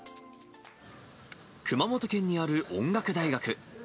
熊本県にある音楽大学。